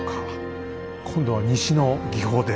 今度は西の技法で。